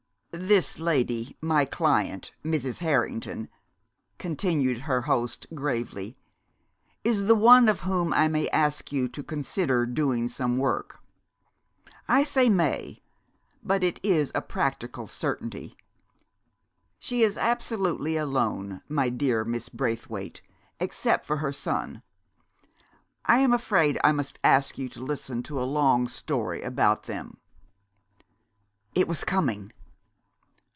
"This lady, my client, Mrs. Harrington," continued her host gravely, "is the one for whom I may ask you to consider doing some work. I say may, but it is a practical certainty. She is absolutely alone, my dear Miss Braithwaite, except for her son. I am afraid I must ask you to listen to a long story about them." It was coming!